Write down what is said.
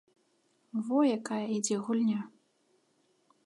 Во якая ідзе гульня!